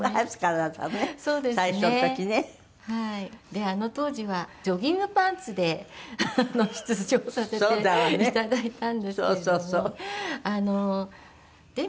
であの当時はジョギングパンツで出場させて頂いたんですけれども。